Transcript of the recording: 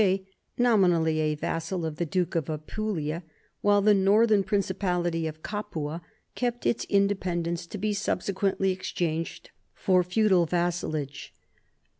THE NORMANS IN THE SOUTH 207 nally a vassal of the duke of Apulia, while the northern principality of Capua kept its independence, to be sub sequently exchanged for feudal vassalage.